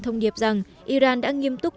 thông điệp rằng iran đã nghiêm túc